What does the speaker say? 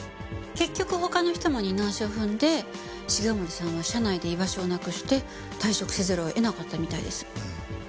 結局他の人も二の足を踏んで重森さんは社内で居場所をなくして退職せざるを得なかったみたいです。